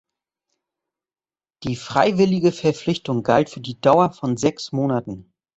Die freiwillige Verpflichtung galt für die Dauer von sechs Monaten.